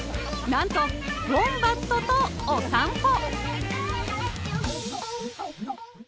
何とウォンバットとお散歩